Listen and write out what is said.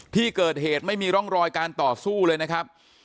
ที่เกิดเหตุไม่มีร่องรอยการต่อสู้เลยนะครับ